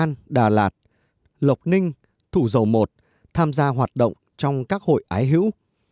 đồng chí được kết nạp vào hội án đà lạt lộc ninh thủ dầu i tham gia hoạt động trong các hội ái hữu